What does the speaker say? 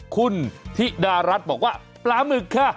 คุณธิดารัฐบอกว่าปลาหมึกค่ะ